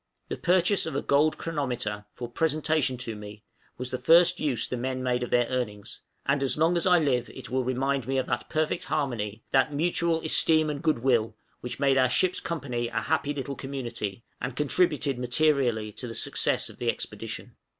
The purchase of a gold chronometer, for presentation to me, was the first use the men made of their earnings; and as long as I live it will remind me of that perfect harmony, that mutual esteem and goodwill, which made our ship's company a happy little community, and contributed materially to the success of the expedition.